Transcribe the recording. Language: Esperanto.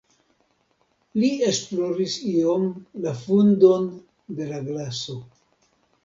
Li esploris iom la fundon de la glaso.